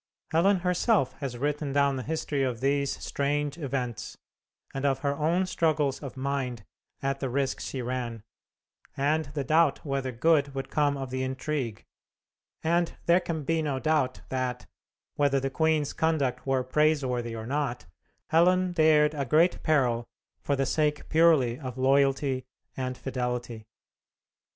Helen herself has written down the history of these strange events, and of her own struggles of mind at the risk she ran, and the doubt whether good would come of the intrigue; and there can be no doubt that, whether the queen's conduct were praiseworthy or not, Helen dared a great peril for the sake purely of loyalty and fidelity.